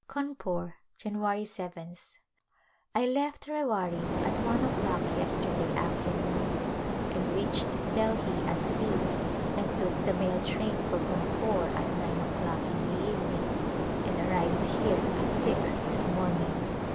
Cawnpore^ Jan. yth. I left Rewari at one o'clock yesterday afternoon and reached Delhi at three and took the mail train for Cawnpore at nine o'clock in the evening and arrived here at six this morning.